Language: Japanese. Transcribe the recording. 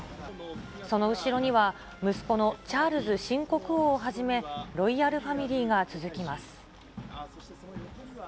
その後ろには、息子のチャールズ新国王をはじめ、ロイヤルファミリーが続きます。